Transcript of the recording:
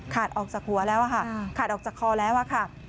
ออกจากหัวแล้วค่ะขาดออกจากคอแล้วค่ะ